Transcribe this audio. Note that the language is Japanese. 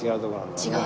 違う。